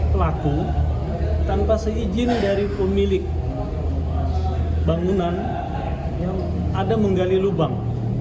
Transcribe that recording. pelaku tanpa seizin dari pemilik bangunan yang ada menggali lubang